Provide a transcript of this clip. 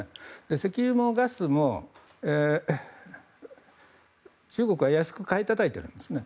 石油もガスも中国は安く買いたたいているんですね。